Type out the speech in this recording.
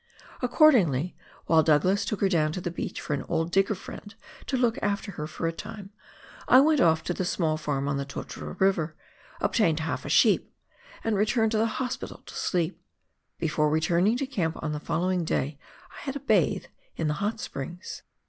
Accordingly, while Douglas took her down to the beach for an old digger friend to look after her for a time, I went oS to the small farm on the Totara River, obtained half a sheep, and returned to the " Hospital " to sleep. Before returning to camp on the following day I had a bathe in the hot springs.